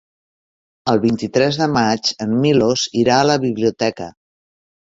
El vint-i-tres de maig en Milos irà a la biblioteca.